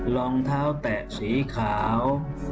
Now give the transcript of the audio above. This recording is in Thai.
รองเท้าแตะสีขาว